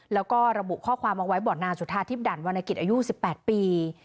แล้วก็ระบุข้อความเอาไว้บอกนางสุธาทิพยั่นวรรณกิจอายุ๑๘ปี